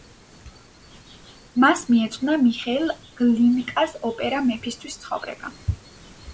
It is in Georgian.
მას მიეძღვნა მიხეილ გლინკას ოპერა მეფისთვის ცხოვრება.